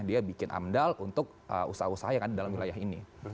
dia bikin amdal untuk usaha usaha yang ada di dalam wilayah ini